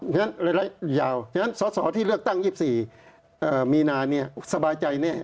อย่างนั้นระยะยาวอย่างนั้นส่อที่เลือกตั้ง๒๔มีนาสบายใจ